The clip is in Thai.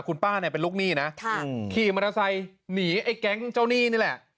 คุณป้าเนี่ยเป็นลูกหนี้นะขี่มอเตอร์ไซค์หนีไอ้แก๊งเจ้าหนี้นี่แหละ